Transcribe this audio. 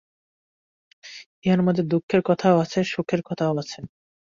ইহার মধ্যে দুঃখের কথাও আছে সুখের কথাও আছে।